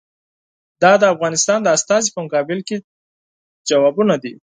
دا د افغانستان د استازي په مقابل کې ځوابونه دي.